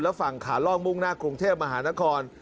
ฝั่งขาล่องมุ่งหน้ากรุงเทพมหานคร